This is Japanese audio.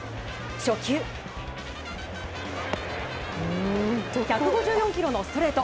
初球、１５４キロのストレート。